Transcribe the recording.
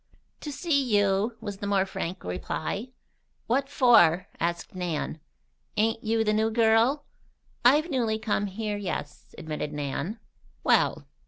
"To see you," was the more frank reply. "What for?" asked Nan. "Ain't you the new gal?" "I've newly come here, yes," admitted Nan. "Well!"